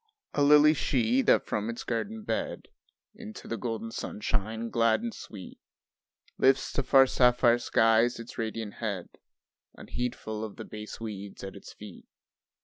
A lily she that from its garden bed, Into the golden sunshine glad and sweet Lifts to far sapphire skies its radiant head, Unheedful of the base weeds at its feet.